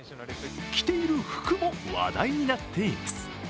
着ている服も話題になっています。